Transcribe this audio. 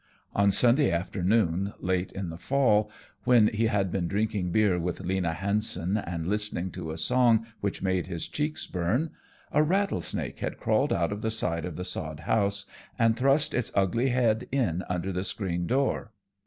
One Sunday afternoon, late in the fall, when he had been drinking beer with Lena Hanson and listening to a song which made his cheeks burn, a rattlesnake had crawled out of the side of the sod house and thrust its ugly head in under the screen door.